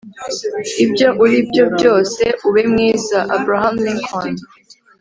ibyo uri byo byose, ube mwiza. - abraham lincoln